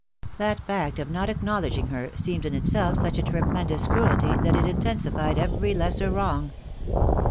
That fact of not acknowledging her seemed in itself such a tremendous cruelty that it intensified every lesser wrong.